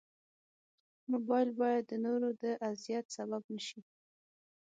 موبایل باید د نورو د اذیت سبب نه شي.